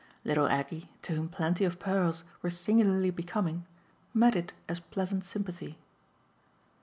"Little Aggie, to whom plenty of pearls were singularly becoming, met it as pleasant sympathy.